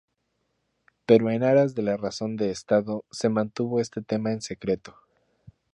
Pero en aras de la razón de Estado, se mantuvo este tema en secreto.